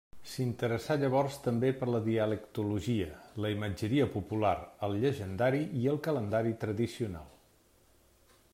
S'interessà llavors també per la dialectologia, la imatgeria popular, el llegendari i el calendari tradicional.